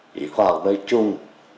khi khoa học nói chung